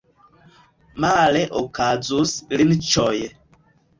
Male okazus linĉoj.